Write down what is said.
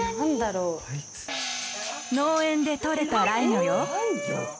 農園で取れたライギョよ。